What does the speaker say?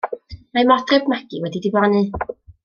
Mae Modryb Magi wedi diflannu!